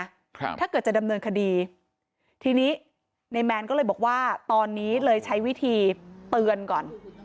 ถ้าเกิดจะดำเนินคดีทีนี้ในแมนก็เลยบอกว่าตอนนี้เลยใช้วิธีเตือนก่อน